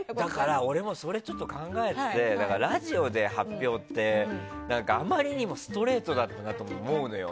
俺もそれを考えててラジオで発表ってあまりにもストレートだったなって思うのよ。